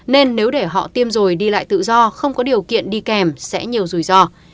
nên nếu để họ tiêm rồi đi lại tự do không có điều kiện đi kèm sẽ nhiều rủi ro